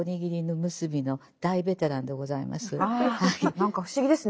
何か不思議ですね。